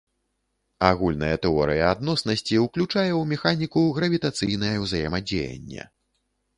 Агульная тэорыя адноснасці ўключае ў механіку гравітацыйнае ўзаемадзеянне.